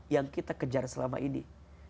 yang kita kejar selama ini